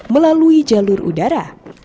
melalui jalur udara